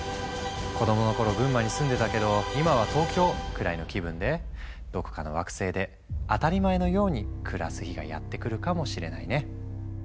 「子供の頃群馬に住んでたけど今は東京」くらいの気分でどこかの惑星で当たり前のように暮らす日がやって来るかもしれないね。